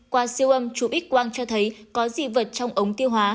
qua siêu âm chú ích quang cho thấy có dị vật trong ống tiêu hóa